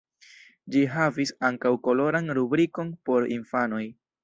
Ĝi havis ankaŭ koloran rubrikon por infanoj.